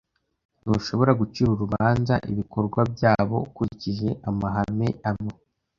Ntushobora gucira urubanza ibikorwa byabo ukurikije amahame amwe.